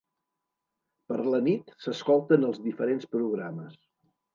Per la nit s'escolten els diferents programes.